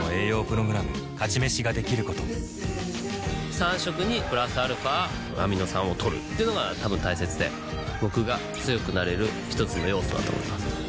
「勝ち飯」ができること３食にプラスアルファアミノ酸をとるっていうのがたぶん大切で僕が強くなれる一つの要素だと思います